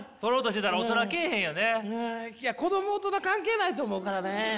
いや子供大人関係ないと思うからね。